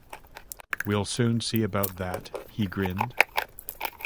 'We’ll soon see about that', he grinned.